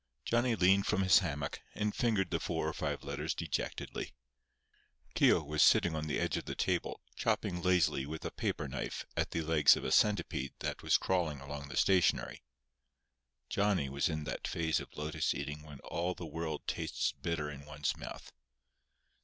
Johnny leaned from his hammock, and fingered the four or five letters dejectedly. Keogh was sitting on the edge of the table chopping lazily with a paper knife at the legs of a centipede that was crawling among the stationery. Johnny was in that phase of lotus eating when all the world tastes bitter in one's mouth.